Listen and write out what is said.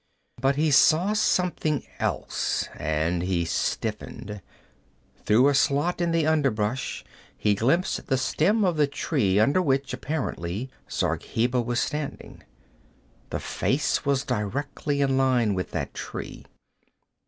But he saw something else, and he stiffened. Through a slot in the underbrush he glimpsed the stem of the tree under which, apparently, Zargheba was standing. The face was directly in line with that tree.